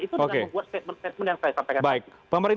itu dengan membuat statement statement yang saya sampaikan tadi